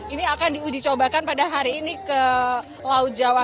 ini akan diuji cobakan pada hari ini ke laut jawa